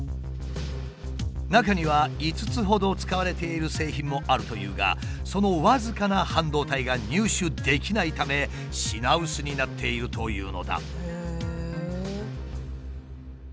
中には５つほど使われている製品もあるというがその僅かな半導体が入手できないため品薄になっているというのだ。